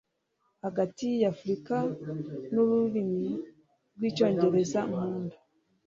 Hagati yiyi Afrika nururimi rwicyongereza Nkunda